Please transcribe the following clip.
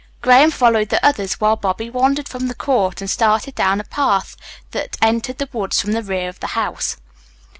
Graham followed the others while Bobby wandered from the court and started down a path that entered the woods from the rear of the house.